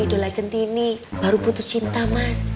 idola centini baru putus cinta mas